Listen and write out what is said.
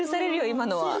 今のは。